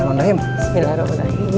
kamu tinggal sama bibi ya cantik